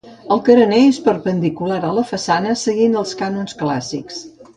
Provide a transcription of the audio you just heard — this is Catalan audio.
El carener és perpendicular a la façana seguint els cànons clàssics.